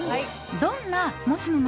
どんなもしもの